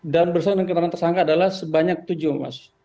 dan bersama dengan keterangan tersangka adalah sebanyak tujuh mas